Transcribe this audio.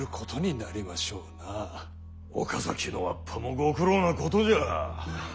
岡崎のわっぱもご苦労なことじゃ。